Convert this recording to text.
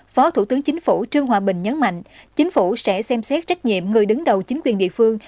phó thủ tướng chính phủ trương hòa bình nhấn mạnh chính phủ sẽ xem xét trách nhiệm người đứng đầu chính quyền địa phương